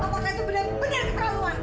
mama itu benar benar keterlaluan